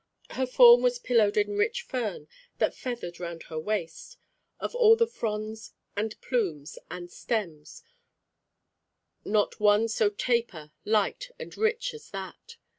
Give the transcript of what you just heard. Her form was pillowed in rich fern, that feathered round her waist; of all the fronds and plumes and stems, not one so taper, light, and rich as that.